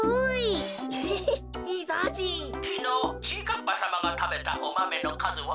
かっぱさまがたべたおマメのかずは？」。